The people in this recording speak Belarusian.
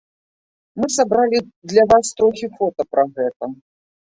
Мы сабралі для вас трохі фота пра гэта.